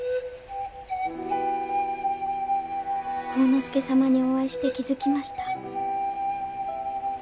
晃之助様にお会いして気付きました。